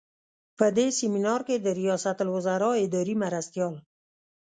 په دې سمینار کې د ریاستالوزراء اداري مرستیال.